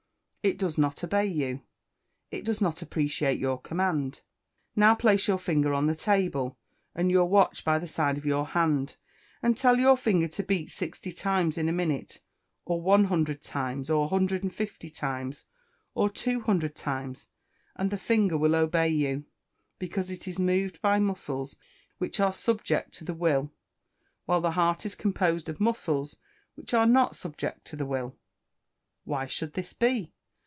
It does not obey you; it does not appreciate your command. Now place your finger on the table, and your watch by the side of your hand, and tell your finger to beat 60 times in the minute, or 100 times, or 150 times, or 200 times, and the finger will obey you because it is moved by muscles which are subject to the will, while the heart is composed of muscles which are not subject to the will. Why should this be?